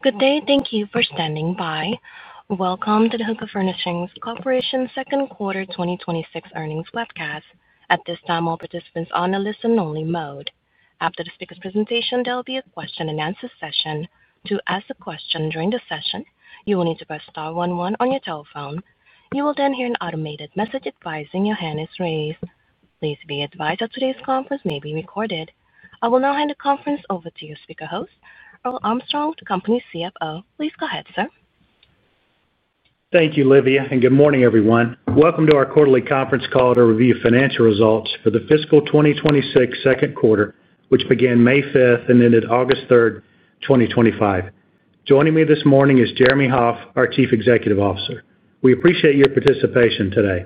Good day. Thank you for standing by. Welcome to the Hooker Furnishings Corporation's second quarter 2026 earnings webcast. At this time, all participants are on a listen-only mode. After the speaker's presentation, there will be a question and answer session. To ask a question during the session, you will need to press star one one on your telephone. You will then hear an automated message advising your hand is raised. Please be advised that today's conference may be recorded. I will now hand the conference over to your speaker host, Earl Armstrong, the company's CFO. Please go ahead, sir. Thank you, Livia, and good morning, everyone. Welcome to our quarterly conference call to review financial results for the fiscal 2026 second quarter, which began May 5 and ended August 3, 2025. Joining me this morning is Jeremy Hoff, our Chief Executive Officer. We appreciate your participation today.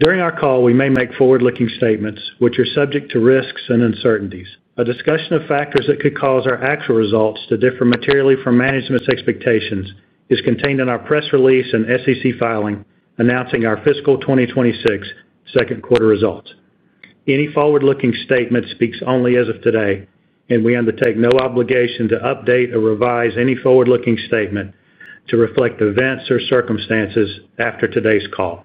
During our call, we may make forward-looking statements, which are subject to risks and uncertainties. A discussion of factors that could cause our actual results to differ materially from management's expectations is contained in our press release and SEC filing announcing our fiscal 2026 second quarter results. Any forward-looking statement speaks only as of today, and we undertake no obligation to update or revise any forward-looking statement to reflect events or circumstances after today's call.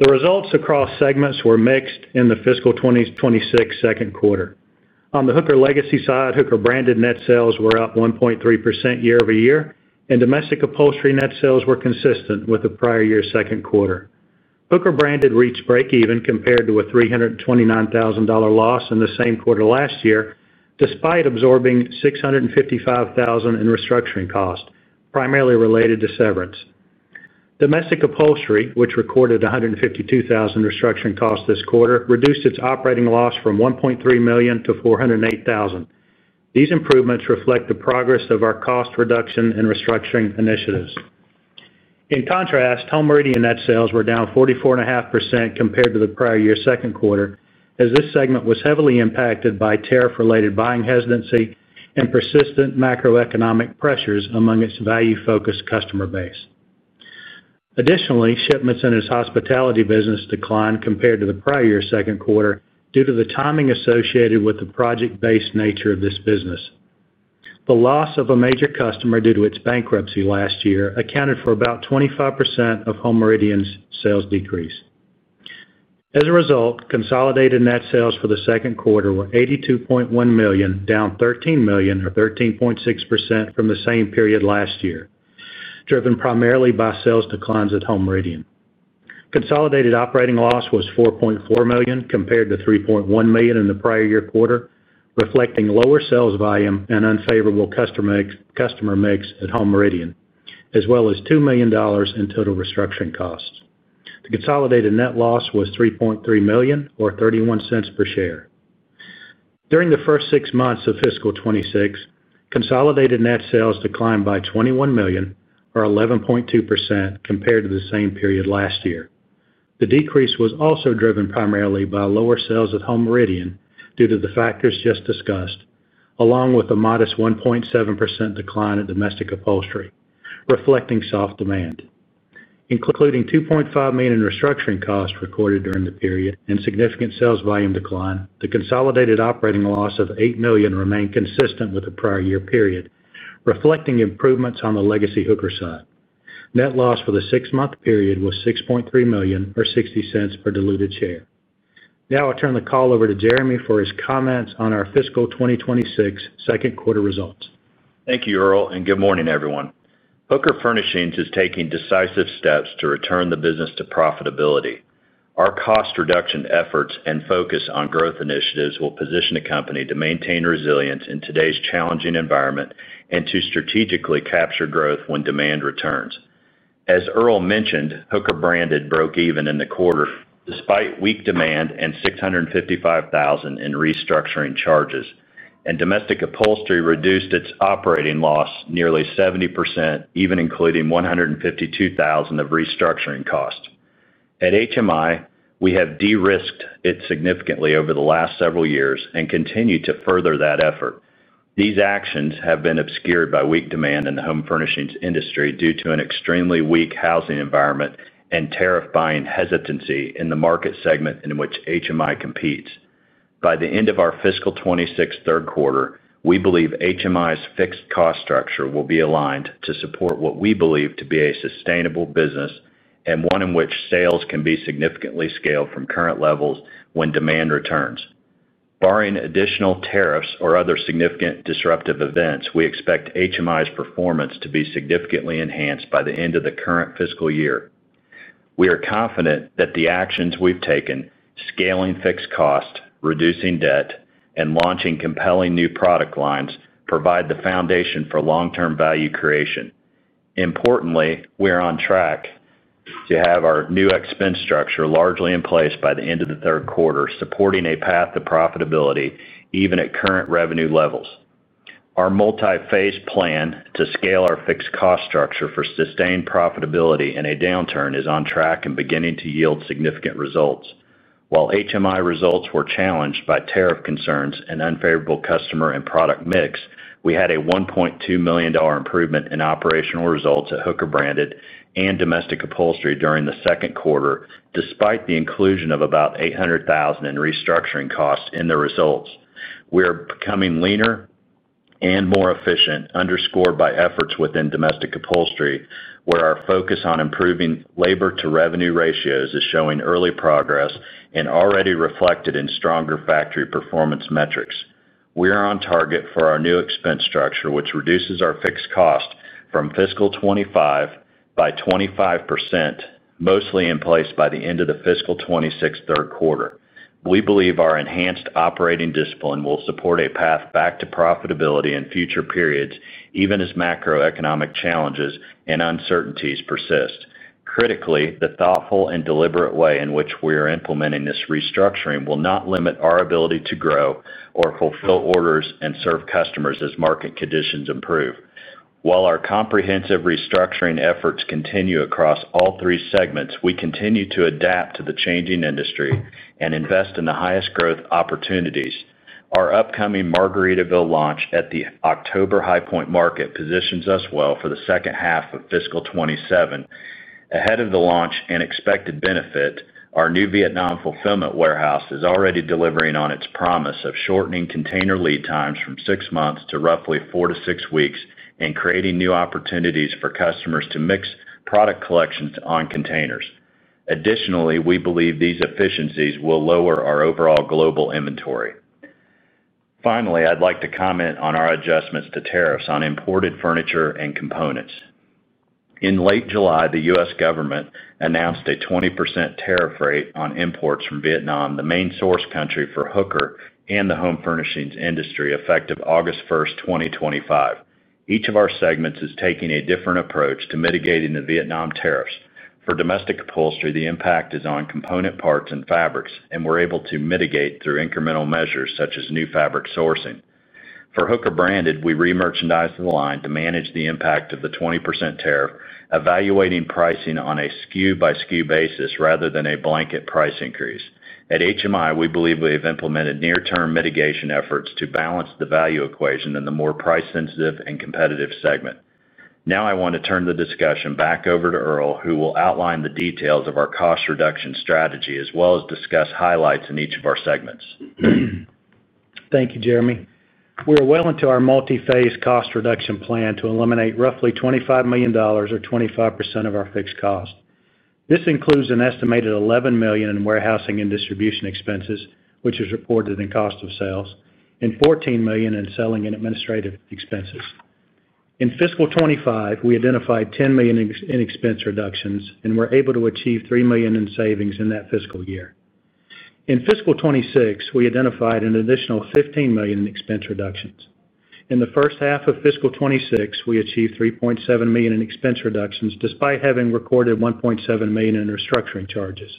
The results across segments were mixed in the fiscal 2026 second quarter. On the Hooker legacy side, Hooker branded net sales were up 1.3% year over year, and domestic upholstery net sales were consistent with the prior year's second quarter. Hooker branded reached breakeven compared to a $329,000 loss in the same quarter last year, despite absorbing $655,000 in restructuring costs, primarily related to severance. Domestic upholstery, which recorded $152,000 restructuring costs this quarter, reduced its operating loss from $1.3 million to $408,000. These improvements reflect the progress of our cost reduction and restructuring initiatives. In contrast, Home Meridian net sales were down 44.5% compared to the prior year's second quarter, as this segment was heavily impacted by tariff-related buying hesitancy and persistent macroeconomic pressures among its value-focused customer base. Additionally, shipments in its hospitality business declined compared to the prior year's second quarter due to the timing associated with the project-based nature of this business. The loss of a major customer due to its bankruptcy last year accounted for about 25% of Home Meridian's sales decrease. As a result, consolidated net sales for the second quarter were $82.1 million, down $13 million, or 13.6% from the same period last year, driven primarily by sales declines at Home Meridian. Consolidated operating loss was $4.4 million compared to $3.1 million in the prior year quarter, reflecting lower sales volume and unfavorable customer mix at Home Meridian, as well as $2 million in total restructuring costs. The consolidated net loss was $3.3 million, or $0.31 per share. During the first six months of fiscal 2026, consolidated net sales declined by $21 million, or 11.2% compared to the same period last year. The decrease was also driven primarily by lower sales at Home Meridian due to the factors just discussed, along with a modest 1.7% decline at domestic upholstery, reflecting soft demand. Including $2.5 million in restructuring costs recorded during the period and significant sales volume decline, the consolidated operating loss of $8 million remained consistent with the prior year period, reflecting improvements on the legacy Hooker side. Net loss for the six-month period was $6.3 million, or $0.60 per diluted share. Now I'll turn the call over to Jeremy for his comments on our fiscal 2026 second quarter results. Thank you, Earl, and good morning, everyone. Hooker Furnishings is taking decisive steps to return the business to profitability. Our cost reduction efforts and focus on growth initiatives will position the company to maintain resilience in today's challenging environment and to strategically capture growth when demand returns. As Earl mentioned, Hooker branded broke even in the quarter despite weak demand and $655,000 in restructuring charges, and domestic upholstery reduced its operating loss nearly 70%, even including $152,000 of restructuring costs. At HMI, we have de-risked it significantly over the last several years and continue to further that effort. These actions have been obscured by weak demand in the home furnishings industry due to an extremely weak housing environment and tariff buying hesitancy in the market segment in which HMI competes. By the end of our fiscal 2026 third quarter, we believe HMI's fixed cost structure will be aligned to support what we believe to be a sustainable business and one in which sales can be significantly scaled from current levels when demand returns. Barring additional tariffs or other significant disruptive events, we expect HMI's performance to be significantly enhanced by the end of the current fiscal year. We are confident that the actions we've taken, scaling fixed costs, reducing debt, and launching compelling new product lines, provide the foundation for long-term value creation. Importantly, we are on track to have our new expense structure largely in place by the end of the third quarter, supporting a path to profitability even at current revenue levels. Our multi-phase plan to scale our fixed cost structure for sustained profitability in a downturn is on track and beginning to yield significant results. While HMI results were challenged by tariff concerns and unfavorable customer and product mix, we had a $1.2 million improvement in operational results at Hooker branded and domestic upholstery during the second quarter, despite the inclusion of about $800,000 in restructuring costs in the results. We are becoming leaner and more efficient, underscored by efforts within domestic upholstery, where our focus on improving labor-to-revenue ratios is showing early progress and already reflected in stronger factory performance metrics. We are on target for our new expense structure, which reduces our fixed cost from fiscal 2025 by 25%, mostly in place by the end of the fiscal 2026 third quarter. We believe our enhanced operating discipline will support a path back to profitability in future periods, even as macroeconomic challenges and uncertainties persist. Critically, the thoughtful and deliberate way in which we are implementing this restructuring will not limit our ability to grow or fulfill orders and serve customers as market conditions improve. While our comprehensive restructuring efforts continue across all three segments, we continue to adapt to the changing industry and invest in the highest growth opportunities. Our upcoming Margaritaville license collection launch at the October High Point Market positions us well for the second half of fiscal 2027. Ahead of the launch and expected benefit, our new Vietnam fulfillment warehouse is already delivering on its promise of shortening container lead times from six months to roughly four to six weeks and creating new opportunities for customers to mix product collections on containers. Additionally, we believe these efficiencies will lower our overall global inventory. Finally, I'd like to comment on our adjustments to tariffs on imported furniture and components. In late July, the U.S. government announced a 20% tariff rate on imports from Vietnam, the main source country for Hooker Furnishings and the home furnishings industry, effective August 1, 2025. Each of our segments is taking a different approach to mitigating the Vietnam tariffs. For domestic upholstery, the impact is on component parts and fabrics, and we're able to mitigate through incremental measures such as new fabric sourcing. For Hooker branded, we remerchandise the line to manage the impact of the 20% tariff, evaluating pricing on a SKU-level basis rather than a blanket price increase. At Home Meridian, we believe we have implemented near-term mitigation efforts to balance the value equation in the more price-sensitive and competitive segment. Now I want to turn the discussion back over to Earl Armstrong, who will outline the details of our cost reduction strategy, as well as discuss highlights in each of our segments. Thank you, Jeremy. We're well into our multi-phase cost reduction plan to eliminate roughly $25 million, or 25% of our fixed costs. This includes an estimated $11 million in warehousing and distribution expenses, which is reported in cost of sales, and $14 million in selling and administrative expenses. In fiscal 2025, we identified $10 million in expense reductions and were able to achieve $3 million in savings in that fiscal year. In fiscal 2026, we identified an additional $15 million in expense reductions. In the first half of fiscal 2026, we achieved $3.7 million in expense reductions, despite having recorded $1.7 million in restructuring charges.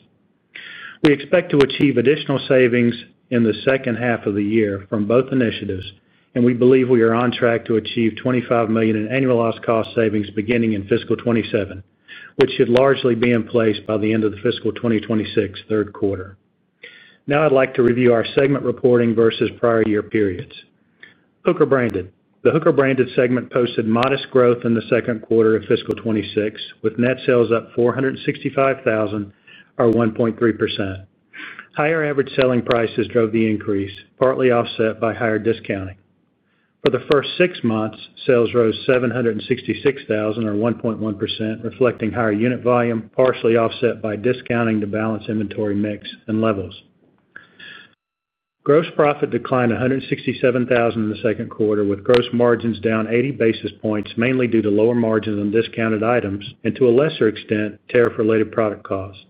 We expect to achieve additional savings in the second half of the year from both initiatives, and we believe we are on track to achieve $25 million in annual lost cost savings beginning in fiscal 2027, which should largely be in place by the end of the fiscal 2026 third quarter. Now I'd like to review our segment reporting versus prior year periods. Hooker branded. The Hooker branded segment posted modest growth in the second quarter of fiscal 2026, with net sales up $465,000, or 1.3%. Higher average selling prices drove the increase, partly offset by higher discounting. For the first six months, sales rose $766,000, or 1.1%, reflecting higher unit volume, partially offset by discounting to balance inventory mix and levels. Gross profit declined $167,000 in the second quarter, with gross margins down 80 basis points, mainly due to lower margins on discounted items and, to a lesser extent, tariff-related product costs.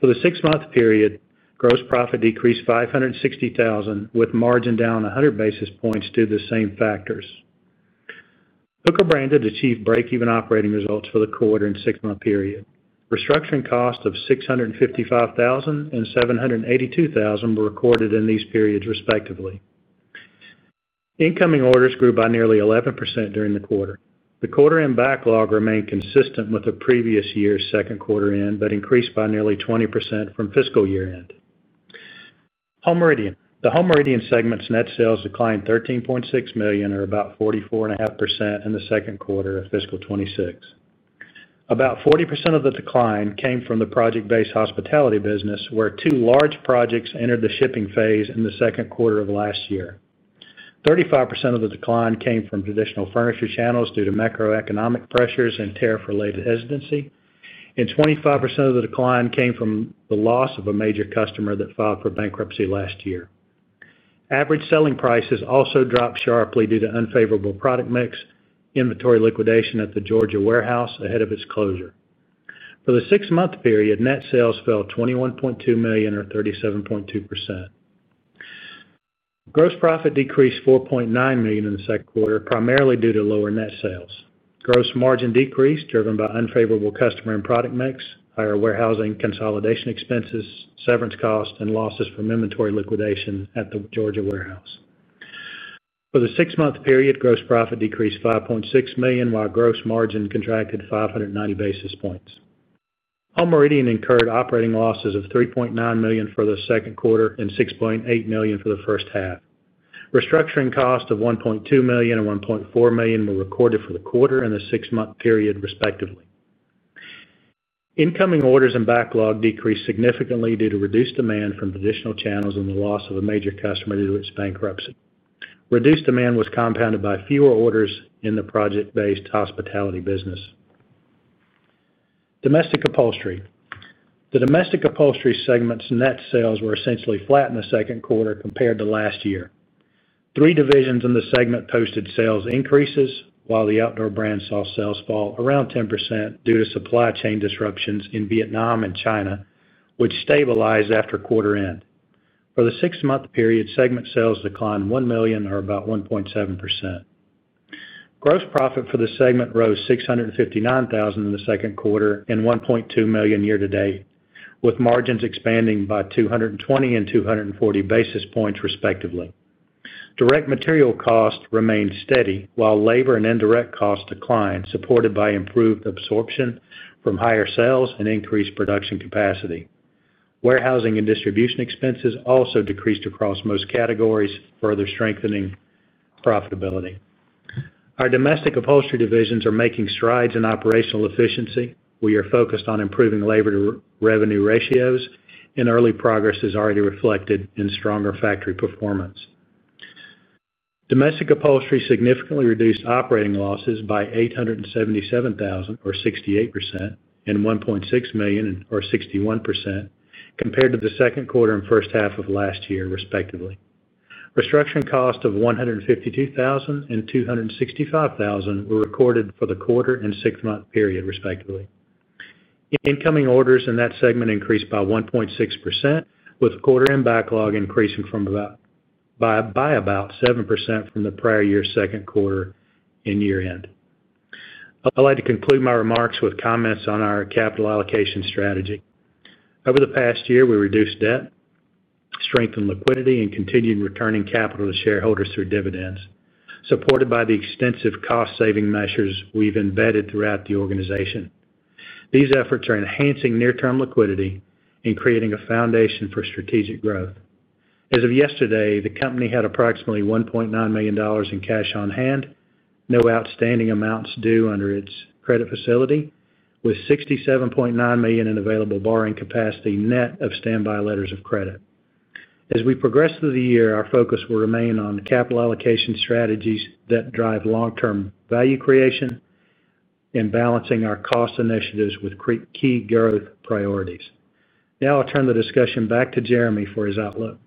For the six-month period, gross profit decreased $560,000, with margin down 100 basis points due to the same factors. Hooker branded achieved breakeven operating results for the quarter and six-month period. Restructuring costs of $655,000 and $782,000 were recorded in these periods, respectively. Incoming orders grew by nearly 11% during the quarter. The quarter-end backlog remained consistent with the previous year's second quarter end, but increased by nearly 20% from fiscal year end. Home Meridian. The Home Meridian segment's net sales declined $13.6 million, or about 44.5%, in the second quarter of fiscal 2026. About 40% of the decline came from the project-based hospitality business, where two large projects entered the shipping phase in the second quarter of last year. 35% of the decline came from traditional furniture channels due to macroeconomic pressures and tariff-related hesitancy, and 25% of the decline came from the loss of a major customer that filed for bankruptcy last year. Average selling prices also dropped sharply due to unfavorable product mix inventory liquidation at the Georgia warehouse ahead of its closure. For the six-month period, net sales fell $21.2 million, or 37.2%. Gross profit decreased $4.9 million in the second quarter, primarily due to lower net sales. Gross margin decreased, driven by unfavorable customer and product mix, higher warehousing consolidation expenses, severance costs, and losses from inventory liquidation at the Georgia warehouse. For the six-month period, gross profit decreased $5.6 million, while gross margin contracted 590 basis points. Home Meridian incurred operating losses of $3.9 million for the second quarter and $6.8 million for the first half. Restructuring costs of $1.2 million and $1.4 million were recorded for the quarter and the six-month period, respectively. Incoming orders and backlog decreased significantly due to reduced demand from traditional channels and the loss of a major customer due to its bankruptcy. Reduced demand was compounded by fewer orders in the project-based hospitality business. Domestic upholstery. The domestic upholstery segment's net sales were essentially flat in the second quarter compared to last year. Three divisions in the segment posted sales increases, while the outdoor brand saw sales fall around 10% due to supply chain disruptions in Vietnam and China, which stabilized after quarter end. For the six-month period, segment sales declined $1 million, or about 1.7%. Gross profit for the segment rose $659,000 in the second quarter and $1.2 million year to date, with margins expanding by 220 and 240 basis points, respectively. Direct material costs remained steady, while labor and indirect costs declined, supported by improved absorption from higher sales and increased production capacity. Warehousing and distribution expenses also decreased across most categories, further strengthening profitability. Our domestic upholstery divisions are making strides in operational efficiency. We are focused on improving labor-to-revenue ratios, and early progress is already reflected in stronger factory performance. Domestic upholstery significantly reduced operating losses by $877,000, or 68%, and $1.6 million, or 61%, compared to the second quarter and first half of last year, respectively. Restructuring costs of $152,000 and $265,000 were recorded for the quarter and six-month period, respectively. Incoming orders in that segment increased by 1.6%, with quarter-end backlog increasing by about 7% from the prior year's second quarter and year end. I'd like to conclude my remarks with comments on our capital allocation strategy. Over the past year, we reduced debt, strengthened liquidity, and continued returning capital to shareholders through dividends, supported by the extensive cost-saving measures we've embedded throughout the organization. These efforts are enhancing near-term liquidity and creating a foundation for strategic growth. As of yesterday, the company had approximately $1.9 million in cash on hand, no outstanding amounts due under its credit facility, with $67.9 million in available borrowing capacity net of standby letters of credit. As we progress through the year, our focus will remain on capital allocation strategies that drive long-term value creation and balancing our cost initiatives with key growth priorities. Now I'll turn the discussion back to Jeremy for his outlook.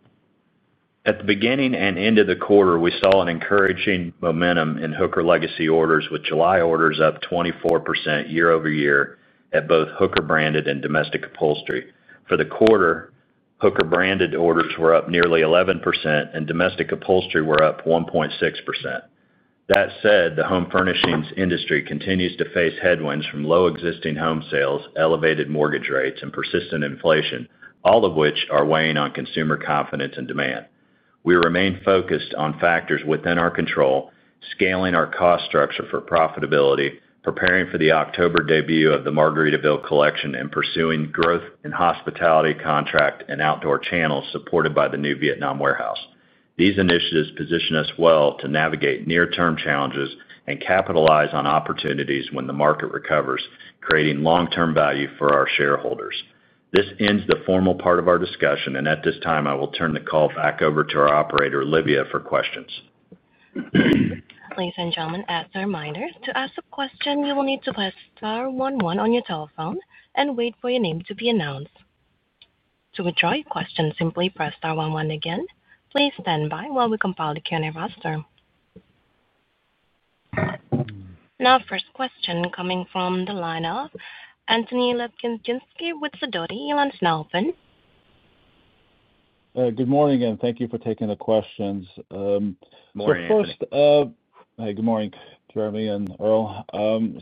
At the beginning and end of the quarter, we saw an encouraging momentum in Hooker legacy orders, with July orders up 24% year over year at both Hooker branded and domestic upholstery. For the quarter, Hooker branded orders were up nearly 11%, and domestic upholstery were up 1.6%. That said, the home furnishings industry continues to face headwinds from low existing home sales, elevated mortgage rates, and persistent inflation, all of which are weighing on consumer confidence and demand. We remain focused on factors within our control, scaling our cost structure for profitability, preparing for the October debut of the Margaritaville license collection, and pursuing growth in hospitality contract and outdoor channels supported by the new Vietnam warehouse. These initiatives position us well to navigate near-term challenges and capitalize on opportunities when the market recovers, creating long-term value for our shareholders. This ends the formal part of our discussion, and at this time, I will turn the call back over to our operator, Livia, for questions. Ladies and gentlemen, as a reminder, to ask a question, you will need to press star one one on your telephone and wait for your name to be announced. To withdraw your question, simply press star one one again. Please stand by while we compile the Q&A roster. Now, first question coming from the line of Anthony Chester Lebiedzinski, which is adopting Elon Snowden. Good morning, and thank you for taking the questions. My first question. Good morning. Hey, good morning, Jeremy and Earl.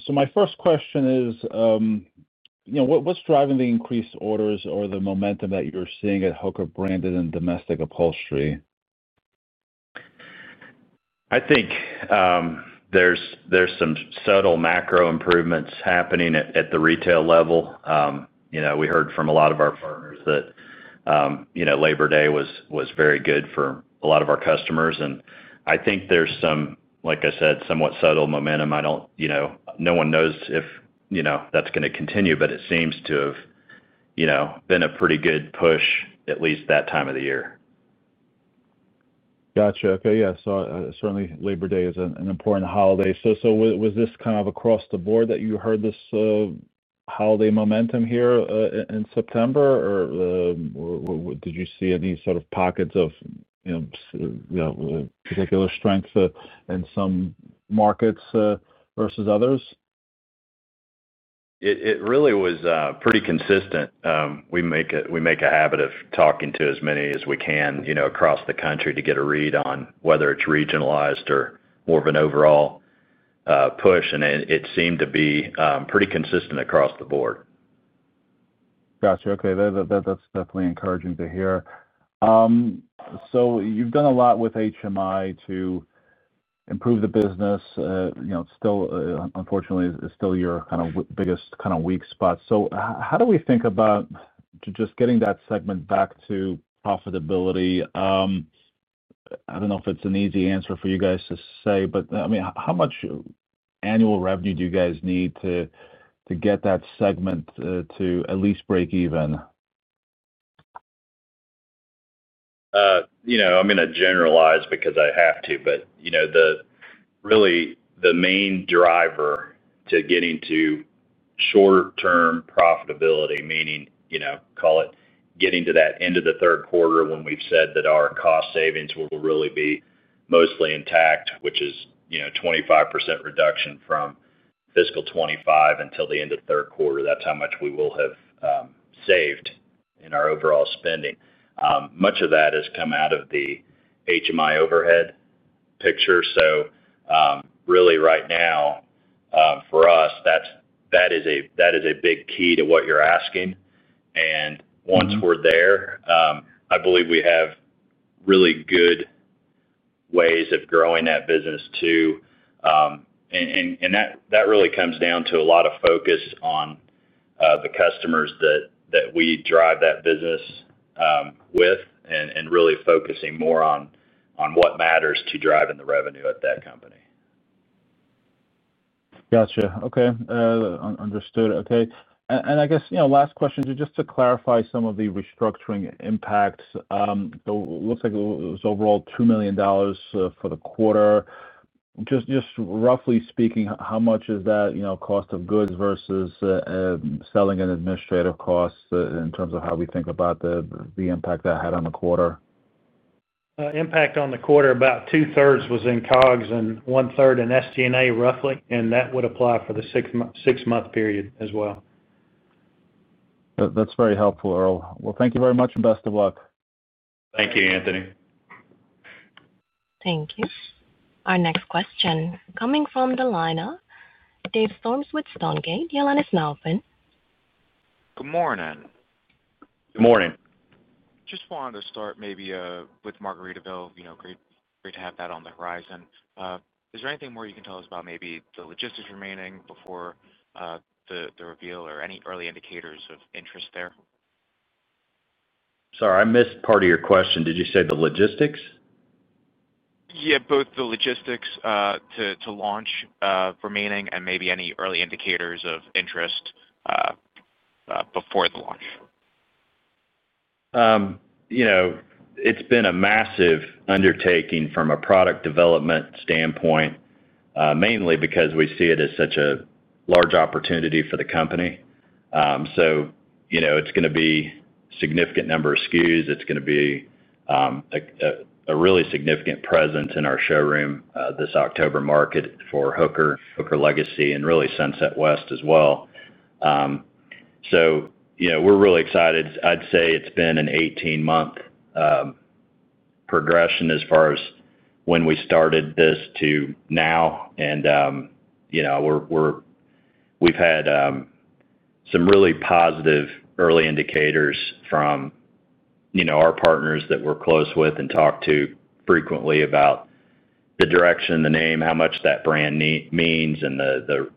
My first question is, you know, what's driving the increased orders or the momentum that you're seeing at Hooker branded and domestic upholstery? I think there's some subtle macro improvements happening at the retail level. We heard from a lot of our partners that Labor Day was very good for a lot of our customers. I think there's some, like I said, somewhat subtle momentum. I don't know if that's going to continue, but it seems to have been a pretty good push at least that time of the year. Gotcha. Okay. Yeah, certainly, Labor Day is an important holiday. Was this kind of across the board that you heard this holiday momentum here in September, or did you see any sort of pockets of particular strength in some markets versus others? It really was pretty consistent. We make a habit of talking to as many as we can across the country to get a read on whether it's regionalized or more of an overall push, and it seemed to be pretty consistent across the board. Gotcha. Okay. That's definitely encouraging to hear. You've done a lot with HMI to improve the business. It's still, unfortunately, your biggest kind of weak spot. How do we think about just getting that segment back to profitability? I don't know if it's an easy answer for you guys to say, but how much annual revenue do you guys need to get that segment to at least break even? I'm going to generalize because I have to, but really, the main driver to getting to short-term profitability, meaning, call it getting to that end of the third quarter when we've said that our cost savings will really be mostly intact, which is a 25% reduction from fiscal 2025 until the end of third quarter. That's how much we will have saved in our overall spending. Much of that has come out of the HMI overhead picture. Right now, for us, that is a big key to what you're asking. Once we're there, I believe we have really good ways of growing that business too. That really comes down to a lot of focus on the customers that we drive that business with and really focusing more on what matters to driving the revenue at that company. Gotcha. Okay, understood. I guess, you know, last question just to clarify some of the restructuring impacts. It looks like it was overall $2 million for the quarter. Just roughly speaking, how much is that, you know, cost of goods versus selling and administrative costs in terms of how we think about the impact that had on the quarter? Impact on the quarter, about two-thirds was in cost of goods sold and one-third in SG&A, roughly, and that would apply for the six-month period as well. That's very helpful, Earl. Thank you very much, and best of luck. Thank you, Anthony. Thank you. Our next question, coming from the line of David Joseph Storms with Stonegate Capital Markets. The line is now open. Good morning. Good morning. Just wanted to start maybe with Margaritaville. You know, great to have that on the horizon. Is there anything more you can tell us about maybe the logistics remaining before the reveal or any early indicators of interest there? Sorry, I missed part of your question. Did you say the logistics? Yeah, both the logistics to launch, remaining and maybe any early indicators of interest before the launch. You know, it's been a massive undertaking from a product development standpoint, mainly because we see it as such a large opportunity for the company. It's going to be a significant number of SKUs. It's going to be a really significant presence in our showroom this October market for Hooker, Hooker Legacy, and really Sunset West as well. We're really excited. I'd say it's been an 18-month progression as far as when we started this to now. We've had some really positive early indicators from our partners that we're close with and talk to frequently about the direction, the name, how much that brand means, and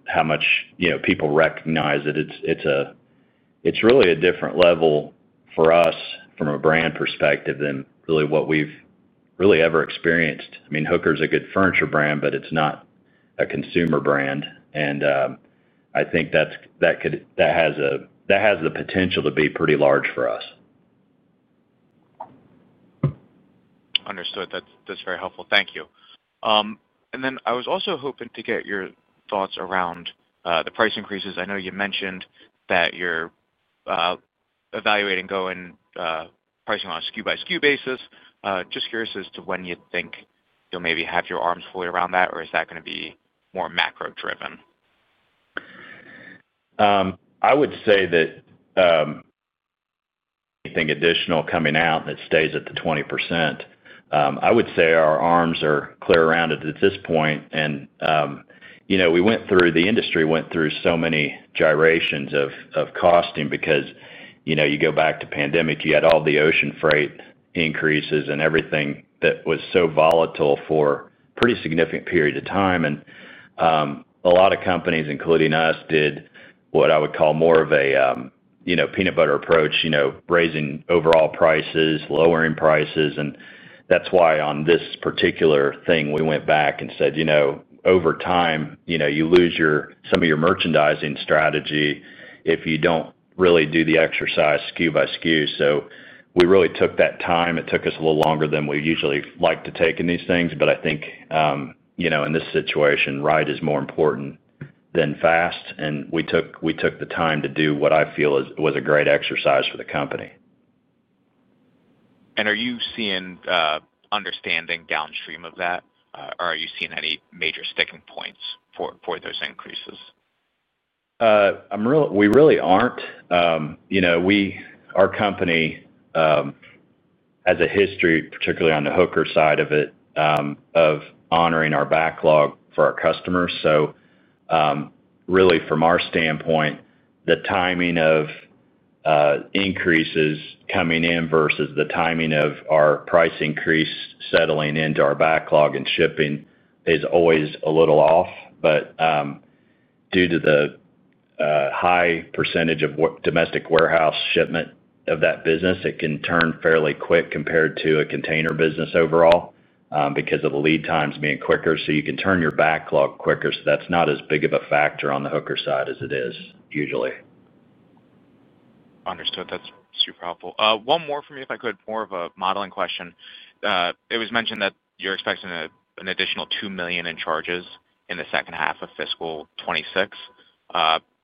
how much people recognize it. It's really a different level for us from a brand perspective than what we've ever experienced. I mean, Hooker is a good furniture brand, but it's not a consumer brand. I think that has the potential to be pretty large for us. Understood. That's very helpful. Thank you. I was also hoping to get your thoughts around the price increases. I know you mentioned that you're evaluating going pricing on a SKU-by-SKU basis. Just curious as to when you think you'll maybe have your arms fully around that, or is that going to be more macro-driven? I would say that anything additional coming out and it stays at the 20%, I would say our arms are clear around it at this point. You know, we went through, the industry went through so many gyrations of costing because, you know, you go back to pandemic, you had all the ocean freight increases and everything that was so volatile for a pretty significant period of time. A lot of companies, including us, did what I would call more of a, you know, peanut butter approach, you know, raising overall prices, lowering prices. That’s why on this particular thing, we went back and said, you know, over time, you lose some of your merchandising strategy if you don't really do the exercise SKU by SKU. We really took that time. It took us a little longer than we usually like to take in these things. I think, you know, in this situation, right is more important than fast. We took the time to do what I feel was a great exercise for the company. Are you seeing, understanding downstream of that, or are you seeing any major sticking points for those increases? We really aren't. You know, our company has a history, particularly on the Hooker side of it, of honoring our backlog for our customers. From our standpoint, the timing of increases coming in versus the timing of our price increase settling into our backlog and shipping is always a little off. Due to the high percentage of domestic warehouse shipment of that business, it can turn fairly quick compared to a container business overall, because of the lead times being quicker. You can turn your backlog quicker. That's not as big of a factor on the Hooker side as it is usually. Understood. That's super helpful. One more for me, if I could, more of a modeling question. It was mentioned that you're expecting an additional $2 million in charges in the second half of fiscal 2026.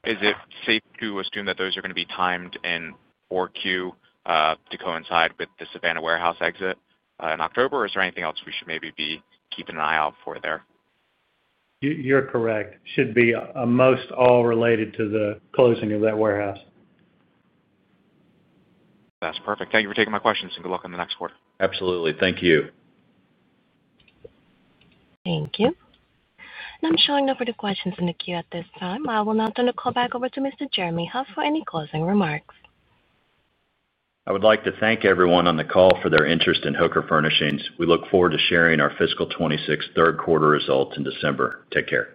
Is it safe to assume that those are going to be timed in or queued to coincide with the Savannah warehouse exit in October, or is there anything else we should maybe be keeping an eye out for there? You're correct. It should be almost all related to the closing of that warehouse. That's perfect. Thank you for taking my questions, and good luck on the next quarter. Absolutely. Thank you. Thank you. I'm showing no further questions in the queue at this time. I will now turn the call back over to Mr. Jeremy Hoff for any closing remarks. I would like to thank everyone on the call for their interest in Hooker Furnishings. We look forward to sharing our fiscal 2026 third quarter results in December. Take care.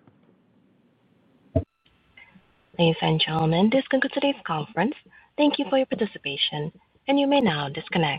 Ladies and gentlemen, this concludes today's conference. Thank you for your participation, and you may now disconnect.